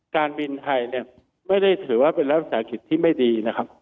การบินไทยไม่ได้ถือว่าเป็นรัฐวิทยาศาสตร์กิจที่ไม่ดี